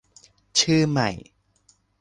ชื่อใหม่